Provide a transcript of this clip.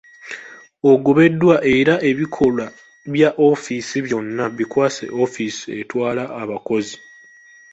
Ogobeddwa era ebikola bya ofiisi byonna bikwase ofiisi etwala abakozi.